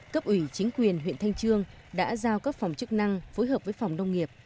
cấp ủy chính quyền huyện thanh trương đã giao các phòng chức năng phối hợp với phòng nông nghiệp